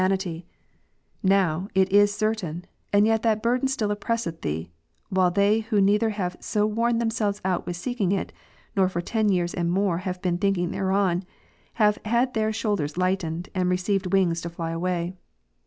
147 vanity ; now, it is certain, and yet that burthen still oppress eth thee, while they who neither have so worn themselves out with seeking it, nor for ten years and more have been thinking thereon, have had their shoulders lightened, and received wings to fly away."